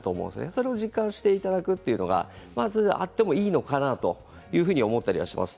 それを実感していただくというのがあってもいいかなと思ったりします。